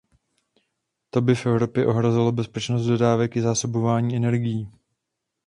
To by v Evropě ohrozilo bezpečnost dodávek i zásobování energií.